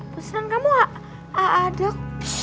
pesanan kamu a a dok